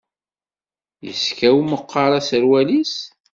Yeskaw meqqar aserwal-is.